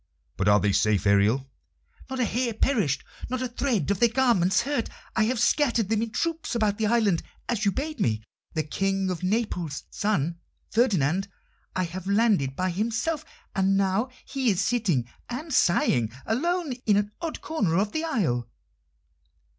"But are they safe, Ariel?" "Not a hair perished, not a thread of their garments hurt. I have scattered them in troops about the island, as you bade me. The King of Naples' son, Ferdinand, I have landed by himself, and now he is sitting and sighing alone in an odd corner of the isle."